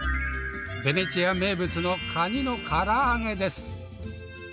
ベネチア名物のカニのから揚げです。